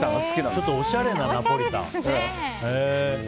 ちょっとおしゃれなナポリタンだね。